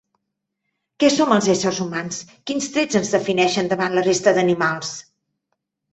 Què som els éssers humans? Quins trets ens defineixen davant la resta d'animals?